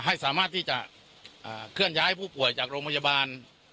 ให้สามารถที่จะเคลื่อนย้ายผู้ป่วยจากโรงพยาบาล